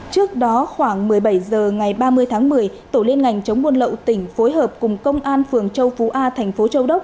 trước đó khoảng một mươi bảy h ngày ba mươi tháng một mươi tổ liên ngành chống buôn lậu tỉnh phối hợp cùng công an phường châu phú a thành phố châu đốc